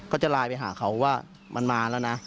ก็จะไลน์ไปหาเขาว่ามันมาแล้วนะ